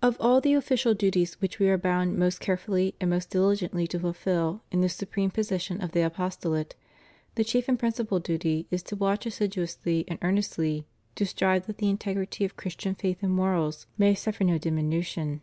Of all the official duties which We are bound most care fully and most diligently to fulfil in this supreme position of the apostolate, the chief and principal duty is to watch assiduously and earnestly to strive that the integrity of Christian faith and morals may suffer no diminution.